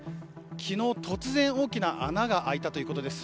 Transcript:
昨日突然、大きな穴が開いたということです。